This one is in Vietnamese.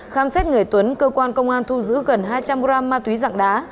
khám xét người tuấn cơ quan công an thu giữ gần hai trăm linh gram ma túy dạng đá